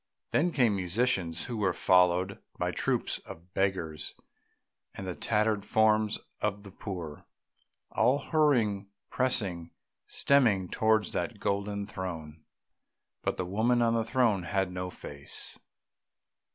Then came musicians who were followed by troops of beggars and the tattered forms of the poor, all hurrying, pressing, streaming towards that golden throne.... But the woman on the throne had no face.